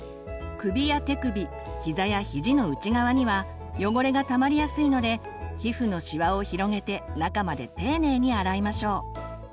首や手首ひざやひじの内側には汚れがたまりやすいので皮膚のシワを広げて中まで丁寧に洗いましょう。